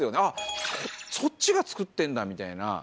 あっそっちが作ってんだみたいな。